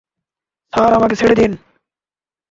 Sir, আমাকে ছেড়ে দিন।